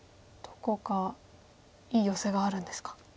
どこかいいヨセがあるんですか。